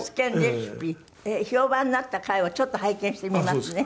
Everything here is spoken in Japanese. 評判になった回をちょっと拝見してみますね。